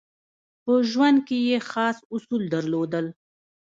په ژوند کې یې خاص اصول درلودل.